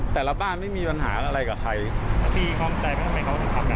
แต่ละบ้านไม่มีปัญหาอะไรกับใคร